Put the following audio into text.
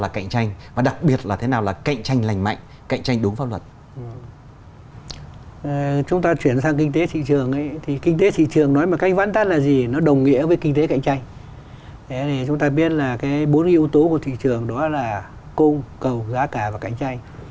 chúng ta biết là cái bốn yếu tố của thị trường đó là cung cầu giá cả và cạnh tranh